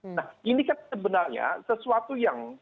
nah ini kan sebenarnya sesuatu yang